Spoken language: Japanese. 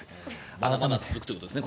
まだまだ続くということですね